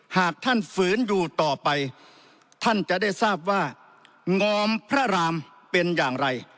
หากท่านฝืนอยู่ต่อไปท่านจะได้ทราบว่างอมพระรามเป็นอย่างไร